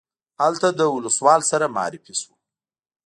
هلته مو له ولسوال سره معرفي شوو.